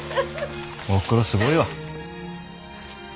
おふくろすごいわ。